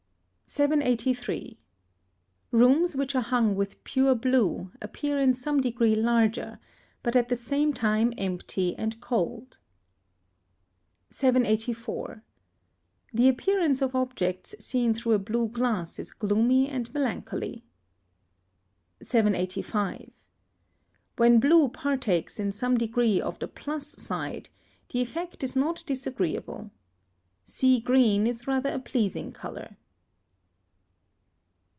783. Rooms which are hung with pure blue, appear in some degree larger, but at the same time empty and cold. 784. The appearance of objects seen through a blue glass is gloomy and melancholy. 785. When blue partakes in some degree of the plus side, the effect is not disagreeable. Sea green is rather a pleasing colour.